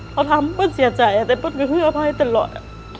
เขาทำเป็นเสียใจแต่เป็นเครื่องอภัยตลอด